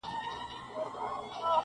په کورونو یې کړي ګډي د غم ساندي-